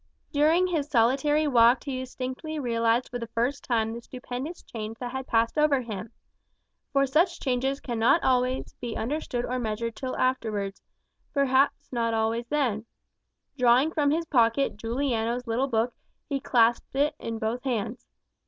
During his solitary walk he distinctly realized for the first time the stupendous change that had passed over him. For such changes cannot be understood or measured until afterwards, perhaps not always then. Drawing from his pocket Juliano's little book, he clasped it in both hands.